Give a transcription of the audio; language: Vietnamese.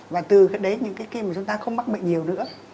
và từ cái đấy những cái khi mà chúng ta không mắc bệnh nhiều nữa